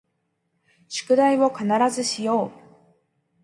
宿題を必ずしよう